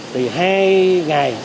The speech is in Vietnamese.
thì hai ngày